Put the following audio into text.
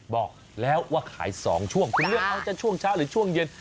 บอกแล้วว่าขาย๒ช่วงคุณเลือกเขาจะช่วงเช้าหรือช่วงเย็น